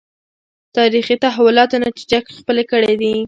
تاریخي تحولاتو نتیجه کې خپلې کړې دي